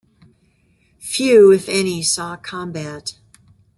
Few, if any, saw combat.